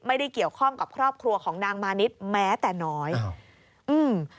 ไม่ได้เกี่ยวข้องกับครอบครัวของนางมานิดแม้แต่น้อยครับอืม